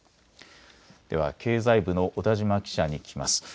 では経済部の小田島記者に聞きます。